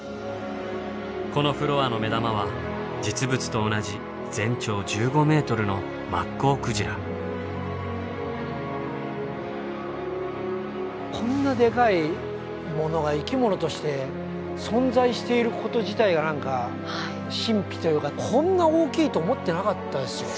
このフロアの目玉は実物と同じこんなでかいものが生き物として存在していること自体が何か神秘というかこんな大きいと思っていなかったですよ。